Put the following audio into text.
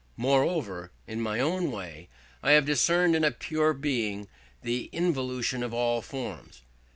Moreover, in my own way, I have discerned in pure Being the involution of all forms.